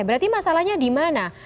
berarti masalahnya dimana